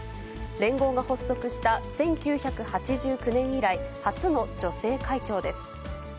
連合が発足した１９８９年以来、初の女性会長です。